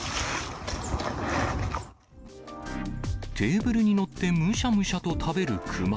テーブルに乗って、むしゃむしゃと食べる熊。